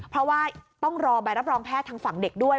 เพราะว่าต้องรอใบรับรองแพทย์ทางฝั่งเด็กด้วย